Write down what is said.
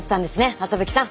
麻吹さん！